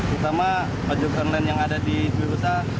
terutama ojek online yang ada di cibarusah